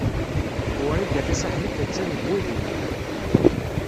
Wrida Tasaḥlit a-tt-an deg Wahinun.